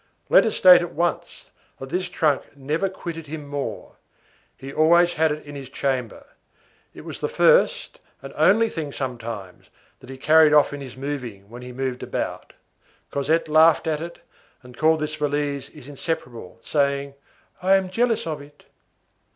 Let us state at once, that this trunk never quitted him more. He always had it in his chamber. It was the first and only thing sometimes, that he carried off in his moving when he moved about. Cosette laughed at it, and called this valise his inseparable, saying: "I am jealous of it."